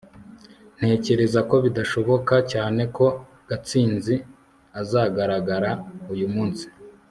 ntekereza ko bidashoboka cyane ko gatsinzi azagaragara uyu munsi